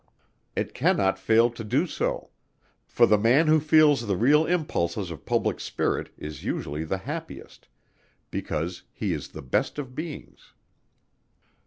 It cannot fail to do so; for the man who feels the real impulses of public spirit is usually the happiest, because he is the best of Beings.